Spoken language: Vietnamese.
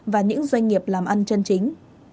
và những doanh nghiệp làm ăn chân chính